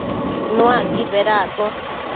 Nuacquid bedaccosh